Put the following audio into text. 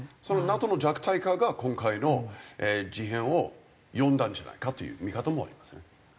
そのＮＡＴＯの弱体化が今回の事変を呼んだんじゃないかという見方もありますよね。